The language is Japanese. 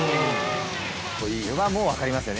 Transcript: これはもう分かりますよね。